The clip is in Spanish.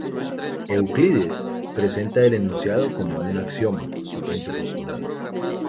Euclides presenta el enunciado como un axioma: su quinto postulado.